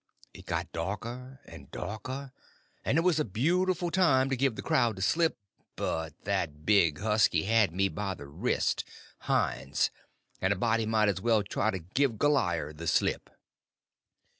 It got darker and darker, and it was a beautiful time to give the crowd the slip; but that big husky had me by the wrist—Hines—and a body might as well try to give Goliar the slip.